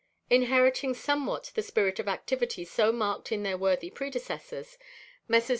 Inheriting somewhat the spirit of activity so marked in their worthy predecessors, Messrs.